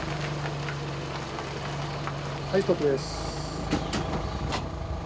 はいストップです。